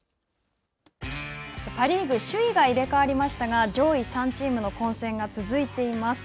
パ・リーグ、首位が入れ代わりましたが、上位３チームの混戦が続いています。